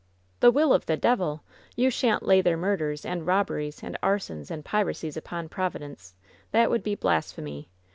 "The will of the devil ! You shan't lay their murders, and robberies, and arsons, and piracies upon Providence 1 That would be blasphemy!